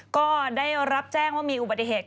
ก็ได้รับแจ้งว่ามีอุบัติเหตุ